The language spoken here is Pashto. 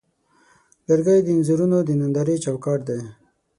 لرګی د انځورونو د نندارې چوکاټ دی.